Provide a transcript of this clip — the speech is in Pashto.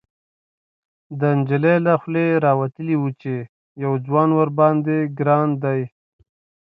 ، د نجلۍ له خولې راوتلي و چې يو ځوان ورباندې ګران دی.